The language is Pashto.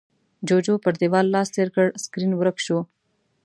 جُوجُو پر دېوال لاس تېر کړ، سکرين ورک شو.